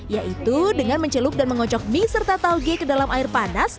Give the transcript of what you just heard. yaitu dengan mencelup dan mengocok mie serta tauge ke dalam air panas